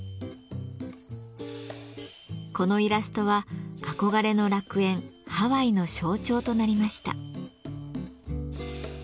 このイラストは憧れの楽園ハワイの象徴となりました。